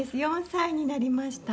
４歳になりました。